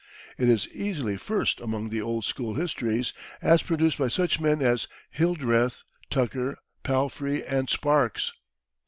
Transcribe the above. It is easily first among the old school histories as produced by such men as Hildreth. Tucker, Palfrey and Sparks.